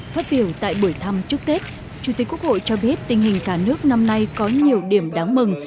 phát biểu tại buổi thăm chúc tết chủ tịch quốc hội cho biết tình hình cả nước năm nay có nhiều điểm đáng mừng